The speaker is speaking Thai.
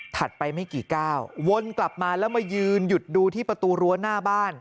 ไปไม่กี่ก้าววนกลับมาแล้วมายืนหยุดดูที่ประตูรั้วหน้าบ้าน